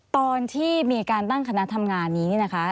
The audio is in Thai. ตอนที่มีการตั้งคณะทำงานนี้นี่นะคะ